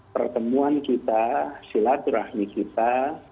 pertemuan kita silaturahmi kita